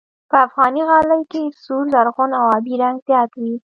په افغاني غالۍ کې سور، زرغون او آبي رنګ زیات وي.